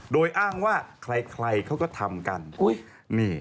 โดยอ้างว่าใครเขาก็ทำกัน